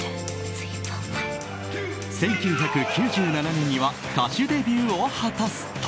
１９９７年には歌手デビューを果たすと。